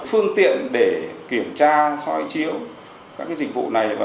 phương tiện để kiểm tra soi chiếu các dịch vụ này